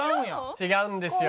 違うんですよ。